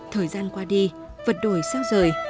thời gian qua đi vật đổi sao rời